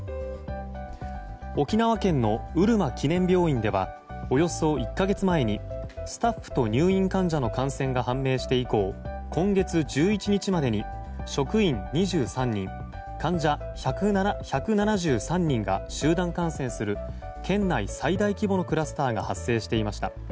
沖縄県のうるま記念病院ではおよそ１か月前にスタッフと入院患者の感染が判明して以降今月１１日までに職員２３人、患者１７３人が集団感染する県内最大規模のクラスターが発生していました。